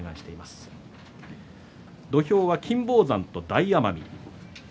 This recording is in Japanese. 土俵は金峰山と大奄美。